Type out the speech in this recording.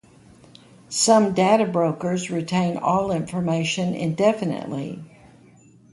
Some data brokers retain all information indefinitely.